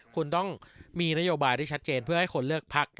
คุณต้องมีนโยบายที่ชัดเจนเพื่อให้คนเลือกพัก